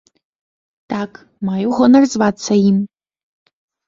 Так, маю гонар звацца ім.